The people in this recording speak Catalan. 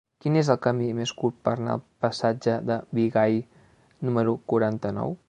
Quin és el camí més curt per anar al passatge de Bigai número quaranta-nou?